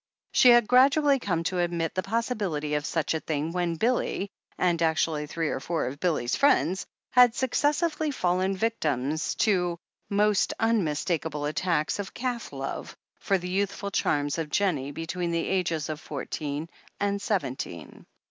She had gradually come to admit the possibility of such a thing when Billy, and actually three or four of Billy's friends, had successively fallen victims to most unmistakable attacks ol calf love for the youthful charms of Jennie between the ages of fourteen and seventeen.